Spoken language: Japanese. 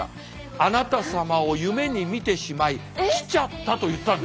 あなた様を夢に見てしまい来ちゃった」と言ったんです。